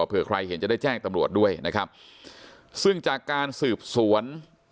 เผื่อใครเห็นจะได้แจ้งตำรวจด้วยนะครับซึ่งจากการสืบสวน